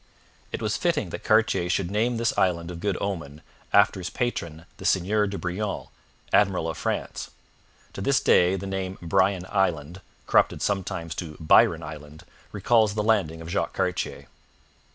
It was fitting that Cartier should name this island of good omen after his patron, the Seigneur de Brion, admiral of France. To this day the name Brion Island, corrupted sometimes to Byron Island, recalls the landing of Jacques Cartier.